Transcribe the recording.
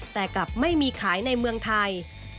แต่กลับไม่มีขายในเมืองไทย